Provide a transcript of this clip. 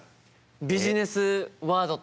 ビジネスワードって。